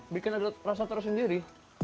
bikin ada rasa terus sendiri